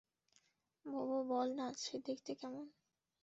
বোবো, বলনা, সে দেখতে কেমন?